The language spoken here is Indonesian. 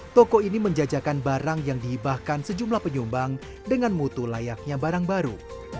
toko ini menjajakan barang yang dihibahkan sejumlah penyumbang dengan mutu layaknya barang baru